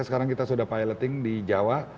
sekarang kita sudah piloting di jawa